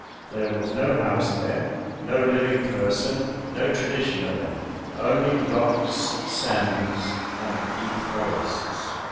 There was no house there, no living person, no tradition of any; only rocks, sands, and deep forests.